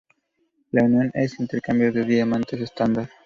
La unión es un intercambio de diamantes estándar.